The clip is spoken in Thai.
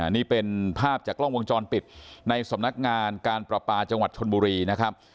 นี่เป็นภาพจากกล้องวงจรปิดในสำนักงานการประปาจังหวัดชนบุรีนะครับ